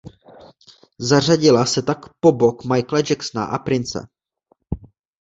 Zařadila se tak po bok Michaela Jacksona a Prince.